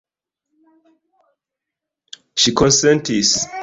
Ŝi konsentis.